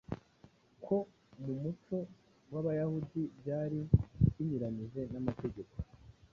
ko mu muco w’Abayahudi byari binyuranyije n’amategeko